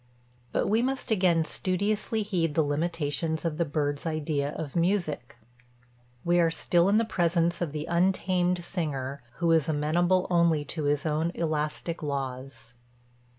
"But we must again studiously heed the limitations of the bird's idea of music. We are still in the presence of the untamed singer, who is amenable only to his own elastic laws.